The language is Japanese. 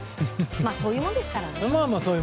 そういうものですからね。